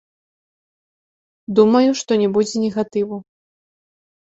Думаю, што не будзе негатыву.